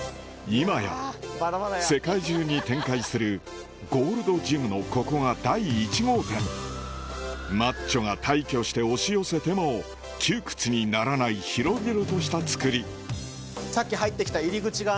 今や世界中に展開するゴールドジムのここが第１号店マッチョが大挙して押し寄せても窮屈にならない広々とした造り